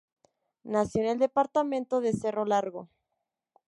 Nació en el departamento de Cerro Largo.